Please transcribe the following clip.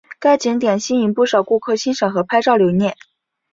该景点吸引不少顾客欣赏和拍照留念。